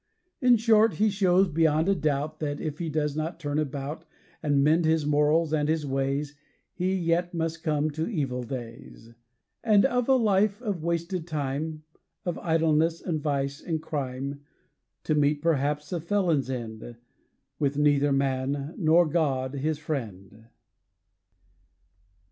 In short, he shows, beyond a doubt, That, if he does not turn about, And mend his morals and his ways, He yet must come to evil days; And of a life of wasted time Of idleness, and vice, and crime, To meet, perhaps, a felon's end, With neither man, nor God his friend.